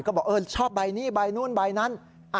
ก็บอกเออชอบใบนี้ใบนู้นใบนั้น